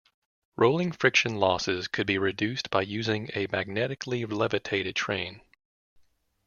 Rolling friction losses could be reduced by using a magnetically levitated train.